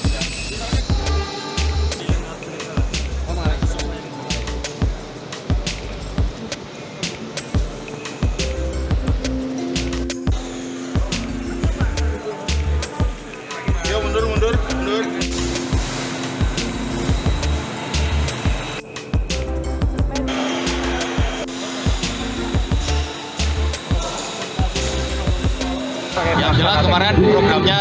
yang jelas kemarin programnya